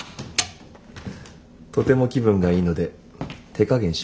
とても気分がいいので手加減しますよ。